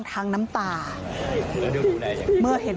ปี๖๕วันเช่นเดียวกัน